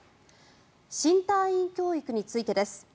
新隊員教育についてです。